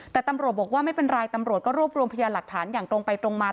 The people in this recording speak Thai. แต่ตำรวจบอกว่าไม่เป็นไรตำรวจก็รวบรวมพยานหลักฐานอย่างตรงไปตรงมา